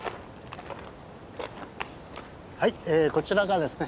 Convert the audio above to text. はいこちらがですね